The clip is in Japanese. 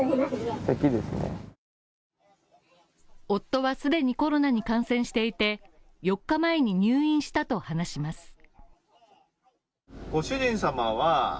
夫は既にコロナに感染していて、４日前に入院したと話します。